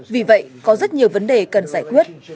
vì vậy có rất nhiều vấn đề cần giải quyết